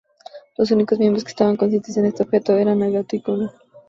Los únicos miembros que estaban conscientes de este objetivo eran Nagato y Konan.